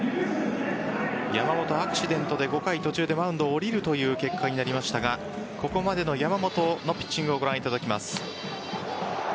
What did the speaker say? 山本、アクシデントで５回途中でマウンドを降りるという結果になりましたがここまでの山本のピッチングをご覧いただきます。